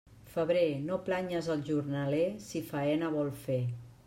Febrer, no planyes el jornaler si faena vol fer.